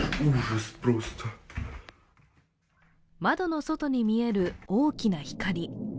窓の外に見える大きな光。